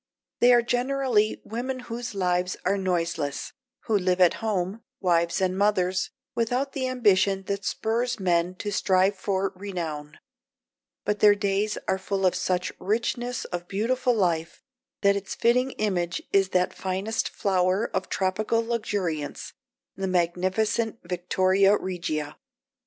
They are generally women whose lives are noiseless, who live at home, wives and mothers, without the ambition that spurs men to strive for renown, but their days are full of such richness of beautiful life that its fitting image is that finest flower of tropical luxuriance, the magnificent Victoria Regia.